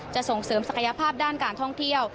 ส่งเสริมศักยภาพด้านการท่องเที่ยว